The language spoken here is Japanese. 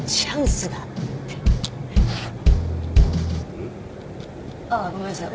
うん？ああごめんなさい。